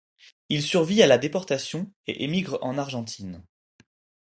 Il survit à la déportation et émigre en Argentine.